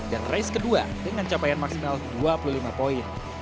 dan race ke dua dengan capaian maksimal dua puluh lima poin